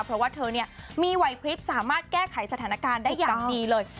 เพราะว่าเธอมีไหวพลิบสามารถแก้ไขสถานการณ์ได้อย่างดีเลย